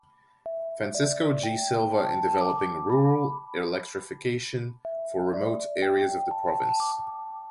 Fancisco G. Silva in developing "Rural Electrification" for remote areas of the province.